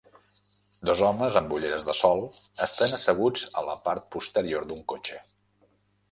Dos homes amb ulleres de sol estan asseguts a la part posterior d'un cotxe.